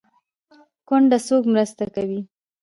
کونډه څوک مرسته کوي؟